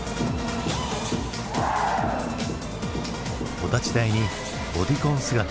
お立ち台にボディコン姿。